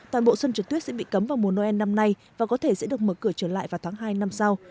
toàn bộ sân trượt tuyết sẽ bị cấm vào mùa noel năm nay và có thể sẽ được mở cửa trở lại vào tháng hai năm sau